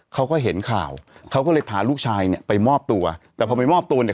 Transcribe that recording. เขาก็เห็นข่าวเขาก็เลยพาลูกชายเนี่ยไปมอบตัวแต่พอไปมอบตัวเนี่ย